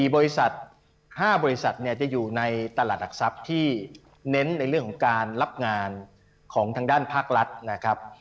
บริษัท๕บริษัทเนี่ยจะอยู่ในตลาดหลักทรัพย์ที่เน้นในเรื่องของการรับงานของทางด้านภาครัฐนะครับ